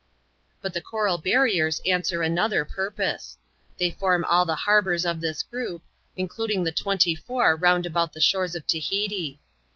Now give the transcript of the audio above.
But the coral barriers answer another purpose. They form all the harbours of this group, including the twenty four round about the shores of Tahiti.